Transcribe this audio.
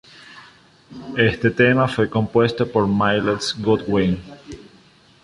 Este tema fue compuesto por Myles Goodwyn.